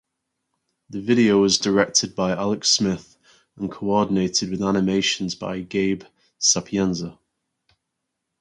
The video was directed by Alex Smith and coordinated with animations by Gabe Sapienza.